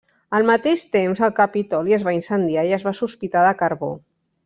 Al mateix temps el Capitoli es va incendiar i es va sospitar de Carbó.